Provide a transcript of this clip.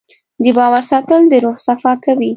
د باور ساتل د روح صفا کوي.